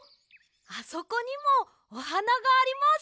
あそこにもおはながあります。